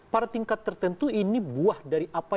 pada tingkat tertentu ini buah dari apa